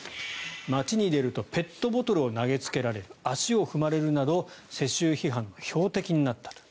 街に出るとペットボトルを投げつけられる足を踏まれるなど世襲批判の標的になったと。